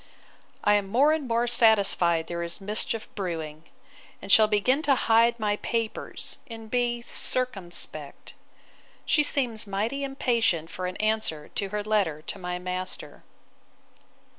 I am more and more satisfied there is mischief brewing; and shall begin to hide my papers, and be circumspect. She seems mighty impatient for an answer to her letter to my master.